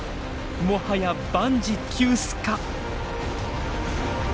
もはや万事休すか。